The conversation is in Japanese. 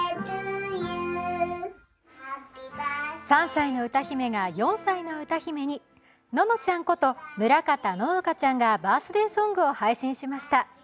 ３歳の歌姫が４歳の歌姫に。ののちゃんこと村方乃々佳ちゃんがバースデーソングを配信しました。